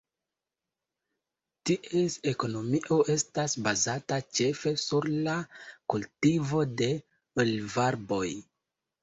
Ties ekonomio estas bazata ĉefe sur la kultivo de olivarboj.